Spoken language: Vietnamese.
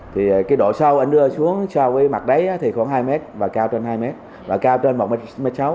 thì cái độ sâu ảnh đưa xuống so với mặt đáy thì khoảng hai m và cao trên hai m và cao trên một m sáu